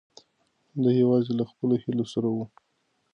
دی یوازې له خپلو هیلو سره و.